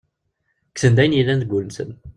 Kksen-d ayen yellan deg ul-nsen.